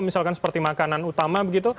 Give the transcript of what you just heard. misalkan seperti makanan utama